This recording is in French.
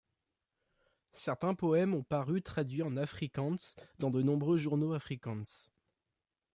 Certains poèmes ont paru, traduits en Afrikaans, dans de nombreux journaux Afrikaans.